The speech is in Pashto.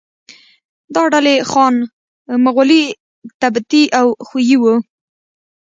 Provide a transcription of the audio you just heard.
دا ډلې خان، مغولي، تبتي او خویي وو.